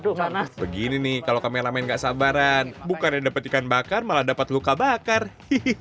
aduh panas begini nih kalau kameramen gak sabaran bukannya dapat ikan bakar malah dapat luka bakar